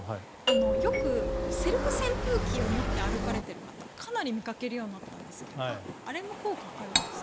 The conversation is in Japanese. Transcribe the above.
よくセルフ扇風機を持って歩かれている方かなり見かけるようになったんですがあれも効果あるんですか？